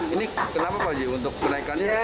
ini kenapa pak ji untuk kenaikannya